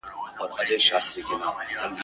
ما پخوا نارې وهلې نن ریشتیا ډوبه بېړۍ ده ..